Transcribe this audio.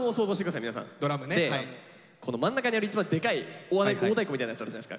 で真ん中にある一番でかい大太鼓みたいなやつあるじゃないですか。